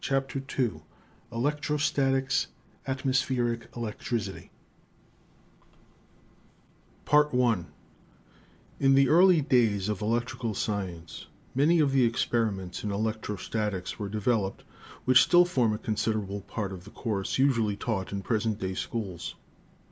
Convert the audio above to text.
CHAPTER II ELECTROSTATICS — ATMOSPHERIC ELECTRICITY In the early days of electrical science many of the ex periments in electrostatics were developed which still form a considerable part of the course usually taught in present day schools.